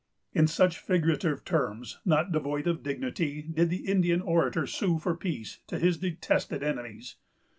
In such figurative terms, not devoid of dignity, did the Indian orator sue for peace to his detested enemies.